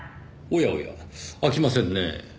おやおや開きませんね。